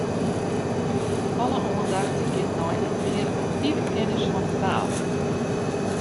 Alle oandacht giet nei in mear aktive kennis fan 'e taal.